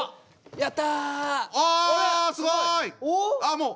やった！